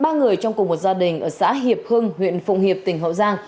ba người trong cùng một gia đình ở xã hiệp hưng huyện phụng hiệp tỉnh hậu giang